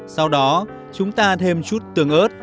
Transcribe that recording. sau đó chúng ta thêm chút tương ớt